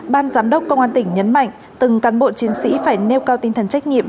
ban giám đốc công an tỉnh nhấn mạnh từng cán bộ chiến sĩ phải nêu cao tinh thần trách nhiệm